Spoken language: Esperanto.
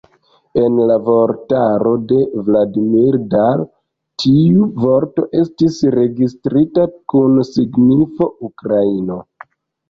En la vortaro de Vladimir Dal tiu vorto estis registrita kun signifo "ukraino".